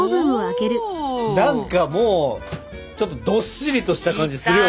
何かもうちょっとどっしりとした感じするよね。